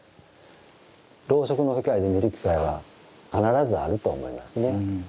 ろうそくの光で見る機会は必ずあると思いますね。